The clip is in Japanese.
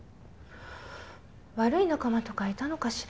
悪い仲間とかいたのかしら？